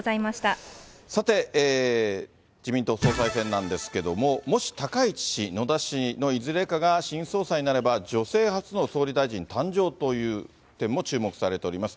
さて、自民党総裁選なんですけども、もし高市氏、野田氏のいずれかが新総裁になれば、女性初の総理大臣誕生という点も注目されております。